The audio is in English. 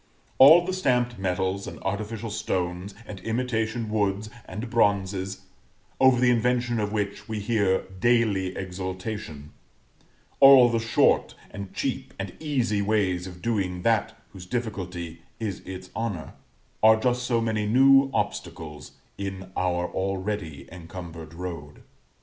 All the stamped metals, and artificial stones, and imitation woods and bronzes, over the invention of which we hear daily exultation all the short, and cheap, and easy ways of doing that whose difficulty is its honor are just so many new obstacles in our already encumbered road.